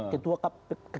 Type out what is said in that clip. ketua ppat ya